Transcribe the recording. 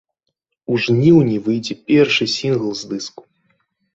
У жніўні выйдзе першы сінгл з дыску.